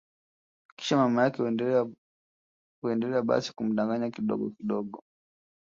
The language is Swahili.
Kisha mama yake huendelea basi kumdanganya kidogo kidogo